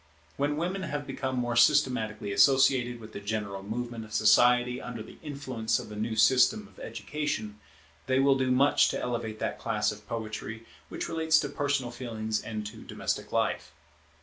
When women have become more systematically associated with the general movement of society under the influence of the new system of education, they will do much to elevate that class of poetry which relates to personal feelings and to domestic life.